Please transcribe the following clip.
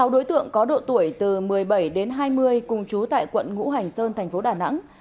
sáu đối tượng có độ tuổi từ một mươi bảy đến hai mươi cùng trú tại quận ngũ hành sơn thành phố đà nẵng